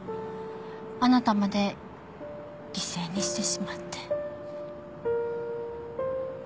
あなたまで犠牲にしてしまって。